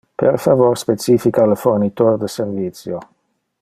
Per favor specifica le fornitor de servicio.